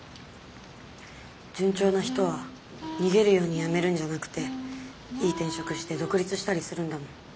順調な人は逃げるように辞めるんじゃなくていい転職して独立したりするんだもん。